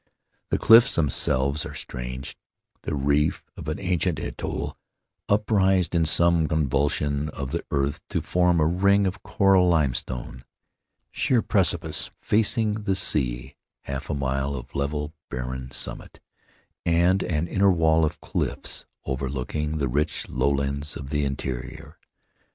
The cliffs themselves are strange — the reef of an ancient atoll, upraised in some convulsion of the earth to form a ring of coral limestone — sheer precipices facing the sea, half a mile of level barren summit, and an inner wall of cliffs, overlooking the rich lowlands of the interior.